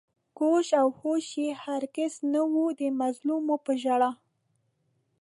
گوش و هوش يې هر گِز نه وي د مظلومو په ژړا